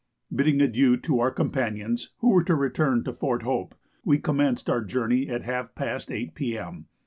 Bidding adieu to our companions who were to return to Fort Hope, we commenced our journey at half past 8 P.M.